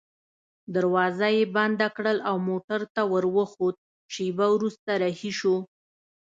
دروازه يې بنده کړل او موټر ته وروخوت، شېبه وروسته رهي شوو.